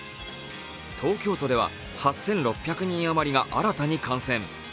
東京都では８６００人あまりが新たに感染。